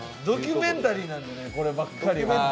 ドキュメンタリーなんでね、こればっかりは。